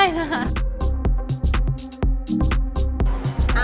อันโทรศาสตร์